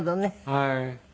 はい。